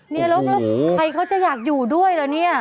เนี่ยแล้วใครเขาจะอยากอยู่ด้วยเหรอเนี่ย